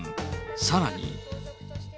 さらに。